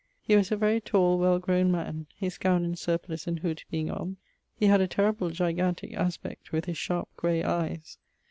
He was a very tall well growne man. His gowne and surplice and hood being on, he had a terrible gigantique aspect, with his sharp gray eies.